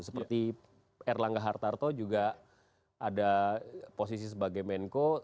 seperti erlangga hartarto juga ada posisi sebagai menko